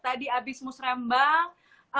tadi abis musrembang